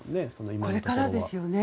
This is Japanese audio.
これからですよね。